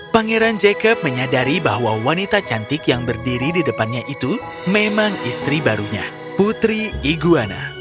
pangeran jacob menyadari bahwa wanita cantik yang berdiri di depannya itu memang istri barunya putri iguana